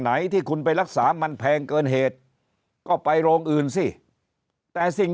ที่คุณไปรักษามันแพงเกินเหตุก็ไปโรงอื่นสิแต่สิ่ง